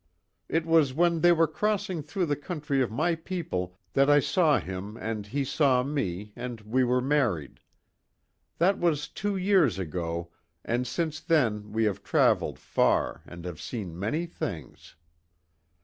It was when they were crossing through the country of my people that I saw him and he saw me and we were married. That was two years ago and since then we have traveled far and have seen many things.